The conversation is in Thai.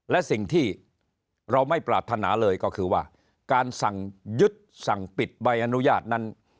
และสิ่งที่เราไม่ปรารถนาเลยก็คือว่าการสั่งยึดสั่งปิดใบอนุญาตนั้น